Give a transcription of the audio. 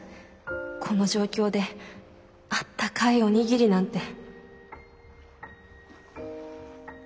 この状況であったかいおにぎりなんて。